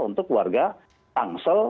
untuk warga tangsel